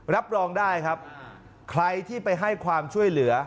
รับรองได้ครับใครที่ไปให้ความช่วยเหลือ